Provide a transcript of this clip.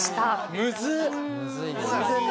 むずいな。